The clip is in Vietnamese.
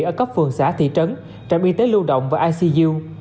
ở các phường xã thị trấn trạm y tế lưu động và icu